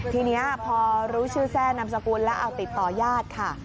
ทีนี้พอรู้ชื่อแทร่นำสกุลแล้วเอาติดต่อญาติค่ะ